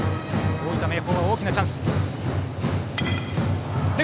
大分・明豊は大きなチャンス。